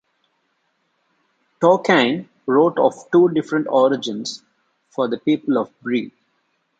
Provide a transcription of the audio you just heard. Tolkien wrote of two different origins for the people of Bree.